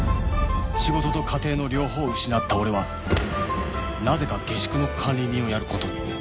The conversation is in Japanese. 仕事と家庭の両方を失った俺はなぜか下宿の管理人をやる事に